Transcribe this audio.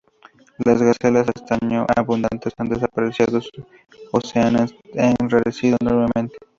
Las gacelas, antaño abundantes, han desaparecido o se han enrarecido enormemente.